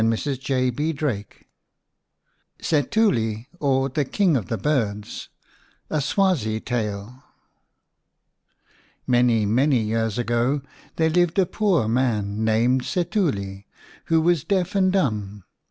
204 xv I SETULI; OR, THE KING OF THE BIRDS A SWAZI TALE / MANY, many years ago there lived a poor man, named Setuli, who was deaf and dumb.